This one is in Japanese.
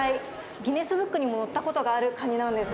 ギネスブックにも載ったことがあるカニなんです。